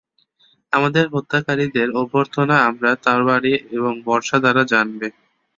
আমাদের হত্যাকারীদের অভ্যর্থনা আমরা তরবারি এবং বর্শা দ্বারা জানাব।